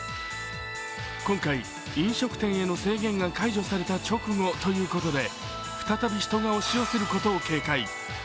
今回、飲食店への制限が解除された直後ということで再び人が押し寄せることを警戒。